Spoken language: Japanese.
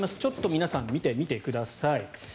皆さん、見てみてください。